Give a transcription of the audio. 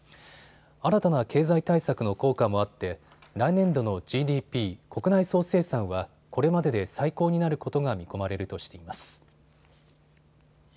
新たな経済対策の効果もあって来年度のＧＤＰ・国内総生産はこれまでで最高になることが見込まれるとしています。